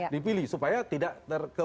dipilih supaya tidak terkemas kemas